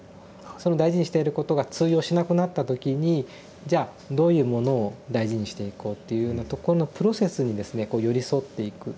その大事にしていることが通用しなくなった時にじゃあどういうものを大事にしていこうっていうようなとこのプロセスにですねこう寄り添っていく。